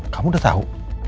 kamu udah tau